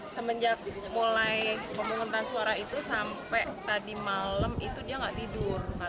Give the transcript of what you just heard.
semenjak mulai pemungutan suara itu sampai tadi malam itu dia nggak tidur